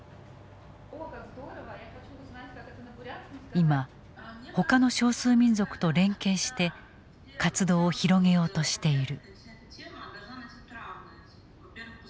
今ほかの少数民族と連携して活動を広げようとしている。